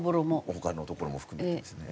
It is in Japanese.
他の所も含めてですね。